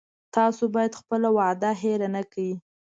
تاسو باید خپله وعده هیره نه کړی